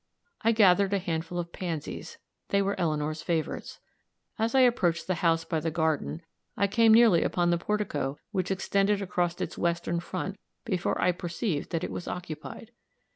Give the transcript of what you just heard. I gathered a handful of pansies they were Eleanor's favorites. As I approached the house by the garden, I came nearly upon the portico which extended across its western front before I perceived that it was occupied.